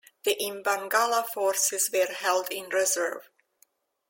The Imbangala forces were held in reserve.